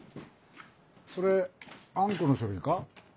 それあん子の書類か？